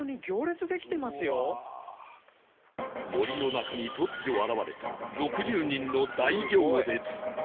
森の中に突如現れた６０人の大行列